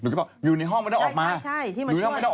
ที่มาช่วย